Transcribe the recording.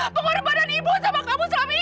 pengorbanan ibu sama kamu selama ini